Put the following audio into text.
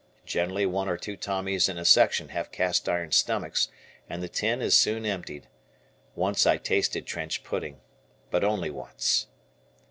Generally one or two Tommies in a section have cast iron stomachs and the tin is soon emptied. Once I tasted trench pudding, but only once.